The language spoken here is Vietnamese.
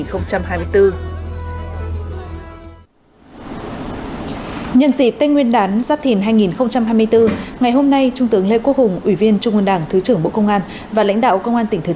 nhân dịp tết nguyên đán giáp thìn hai nghìn hai mươi bốn ngày hôm nay trung tướng lê quốc hùng ủy viên trung ương đảng thứ trưởng bộ công an và lãnh đạo công an tỉnh thứ